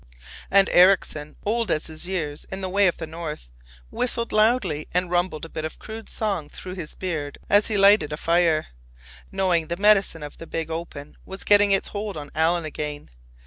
And Ericksen, old as his years in the way of the north, whistled loudly and rumbled a bit of crude song through his beard as he lighted a fire, knowing the medicine of the big open was getting its hold on Alan again.